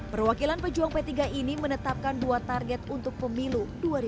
perwakilan pejuang p tiga ini menetapkan dua target untuk pemilu dua ribu dua puluh